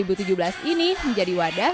hanya noyeng jauh